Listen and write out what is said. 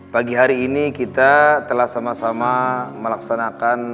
pagi hari ini kita telah sama sama melaksanakan